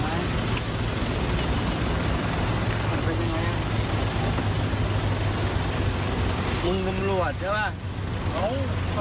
คุณตำรวจใช่ป่ะ